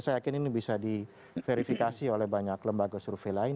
saya yakin ini bisa diverifikasi oleh banyak lembaga survei lain